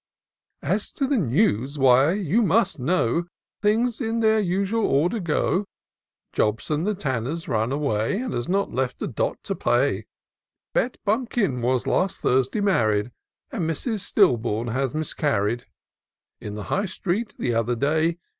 " As to the news, why, you must know, Things in their usual order go: Jobson the Tanner's run away. And has not left a doit to pay : Bet Bumpkin was last Thursday married; And Mrs. SdUbom has miscarried. In the High street, the other day.